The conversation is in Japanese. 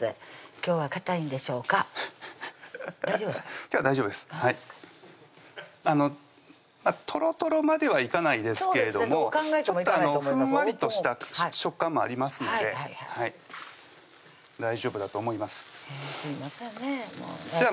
今日は大丈夫ですあのとろとろまではいかないですけれどもちょっとふんわりとした食感もありますので大丈夫だと思いますじゃあ